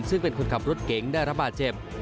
ซึ่งเป็นคนขับรถเก๋งได้รับบาดเจ็บ